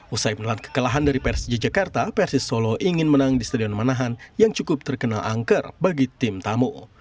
usai menelan kekalahan dari persija jakarta persis solo ingin menang di stadion manahan yang cukup terkenal angker bagi tim tamu